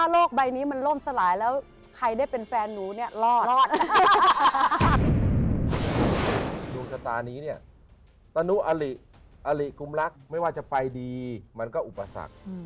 อะไรกุมลักษณ์ไม่ว่าจะไปดีมันก็อุปสรรค